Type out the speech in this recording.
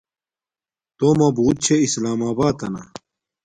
تومہ بوت چھے اسلام آباتنا